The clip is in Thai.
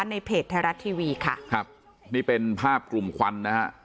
ในเพจไทยรัฐทีวีค่ะครับนี่เป็นภาพกลุ่มควันนะฮะ